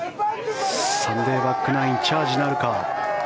サンデーバックナインチャージなるか。